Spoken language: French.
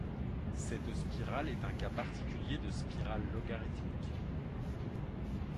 Cette spirale est un cas particulier de spirale logarithmique.